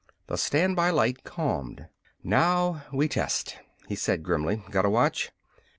The standby light calmed. "Now we test," he said grimly. "Got a watch?"